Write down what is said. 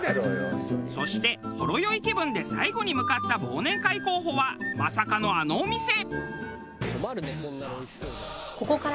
そしてほろ酔い気分で最後に向かった忘年会候補はまさかのあのお店。